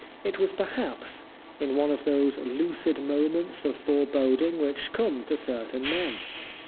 It was, perhaps, in one of those lucid moments of foreboding which come to certain men.